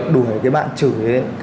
đuổi cái bạn chửi